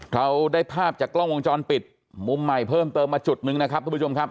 เราได้ภาพจากกล้องวงจรปิดมุมใหม่เพิ่มเติมมาจุดนึงนะครับทุกผู้ชมครับ